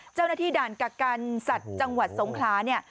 เจ้าหน้าที่ด่านกักกันสัตว์จังหวัดสงขลาเนี่ย